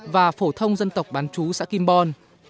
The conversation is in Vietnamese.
và phổ thông dân tộc bán chú xã kim bon